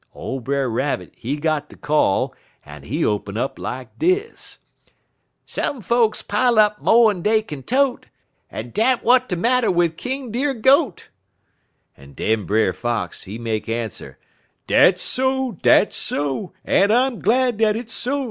Ole Brer Rabbit, he got de call, en he open up lak dis: "'Some folks pile up mo'n dey kin tote, En dot w'at de marter wid King Deer goat,' en den Brer Fox, he make answer: "'_Dat's so, dat's so, en I'm glad dat it's so!